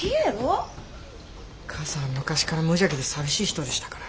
母さんは昔から無邪気で寂しい人でしたから。